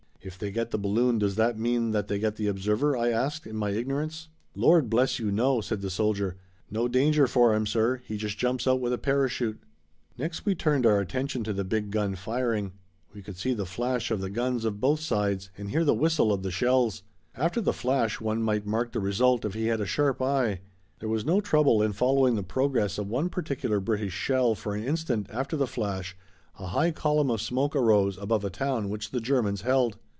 "If they get the balloon does that mean that they get the observer?" I asked in my ignorance. "Lord bless you no," said the soldier. "No danger for 'im, sir. He just jumps out with a parachute." Next we turned our attention to the big gun firing. We could see the flash of the guns of both sides and hear the whistle of the shells. After the flash one might mark the result if he had a sharp eye. There was no trouble in following the progress of one particular British shell for an instant after the flash a high column of smoke arose above a town which the Germans held.